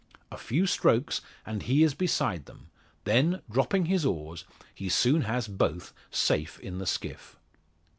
A few strokes, and he is beside them; then, dropping his oars, he soon has both safe in the skiff.